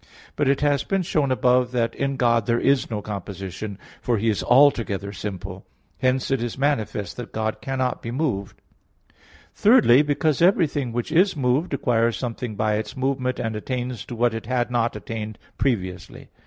But it has been shown above (Q. 3, A. 7) that in God there is no composition, for He is altogether simple. Hence it is manifest that God cannot be moved. Thirdly, because everything which is moved acquires something by its movement, and attains to what it had not attained previously.